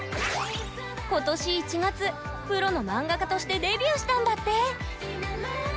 今年１月プロの漫画家としてデビューしたんだって！